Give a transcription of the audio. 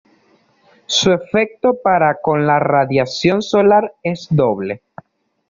Su efecto para con la radiación solar es doble.